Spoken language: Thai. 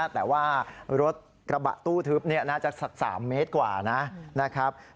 แต่ว่ารถกระบะตู้ทึบน่าจะสัก๓เมตรกว่านะครับ